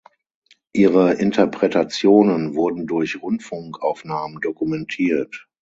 Ihre Interpretationen wurden durch Rundfunkaufnahmen dokumentiert.